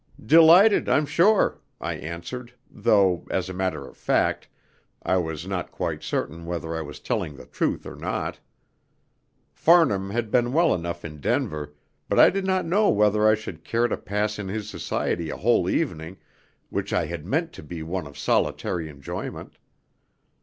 "Delighted, I'm sure," I answered, though, as a matter of fact, I was not quite certain whether I was telling the truth or not. Farnham had been well enough in Denver, but I did not know whether I should care to pass in his society a whole evening, which I had meant to be one of solitary enjoyment.